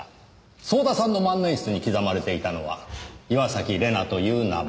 早田さんの万年筆に刻まれていたのは岩崎玲奈という名前。